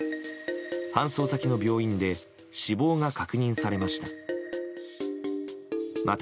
搬送先の病院で死亡が確認されました。